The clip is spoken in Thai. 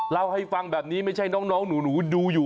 เล่าให้ฟังแบบนี้ไม่ใช่น้องหนูดูอยู่